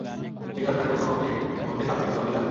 এই ঝড়টার পরিসমাপ্তি ঘটতে সাত থেকে দশদিন লাগবে।